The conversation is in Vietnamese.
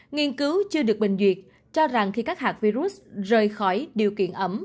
nghiên cứu chưa được bình duyệt cho rằng khi các hạt virus rời khỏi điều kiện ẩm